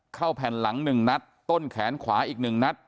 ข้าวแผ่นหลังหนึ่งนัดต้นแขนขวาอีกหนึ่งนัด